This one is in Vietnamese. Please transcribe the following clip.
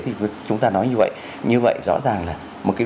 thì chúng ta nói như vậy như vậy rõ ràng là một cái